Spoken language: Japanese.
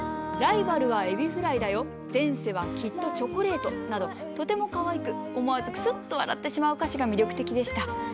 『ライバルはエビフライだよ前世はきっとチョコレート』などとてもかわいく思わずクスッと笑ってしまう歌詞が魅力的でした。